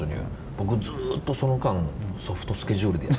僕、ずっとその間ソフトスケジュールで。